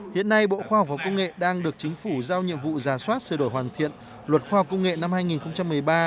hiện nay bộ khoa học và công nghệ đang được chính phủ giao nhiệm vụ giả soát sửa đổi hoàn thiện luật khoa học công nghệ năm hai nghìn một mươi ba